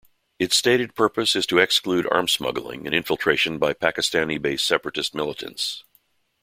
Its stated purpose is to exclude arms smuggling and infiltration by Pakistani-based separatist militants.